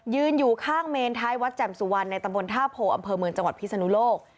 ยืนอยู่ข้างเมนท้ายวัดแจ่มสุวรรณในตำบลท่าโพอำเภอเมืองจังหวัดพิศนุโลก